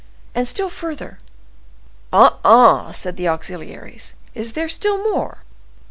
And still further—'" "Ah! ah!" said the auxiliaries, "is there still more?"